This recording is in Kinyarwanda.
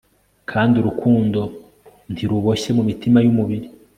kandi urukundo ntiruboshye mumitima yumubiri